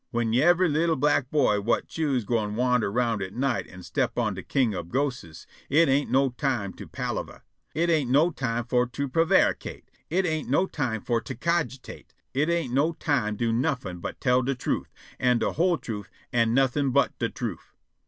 Whin yivery li'l' black boy whut choose' gwine wander round at night an' stip on de king ob ghostes, it ain't no time for to palaver, it ain't no time for to prevaricate, it ain't no time for to cogitate, it ain't no time do nuffin' but tell de truth, an' de whole truth, an' nuffin' but de truth."